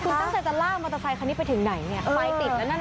คุณตั้งใจจะล่ามอเตอร์ไซค์คันนี้ไปถึงไหนเนี่ย